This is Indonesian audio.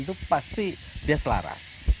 itu pasti dia selara